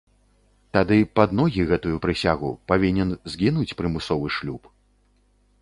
Тады пад ногі гэтую прысягу, павінен згінуць прымусовы шлюб.